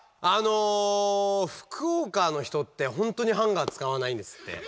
あの福岡の人ってほんとにハンガー使わないんですって。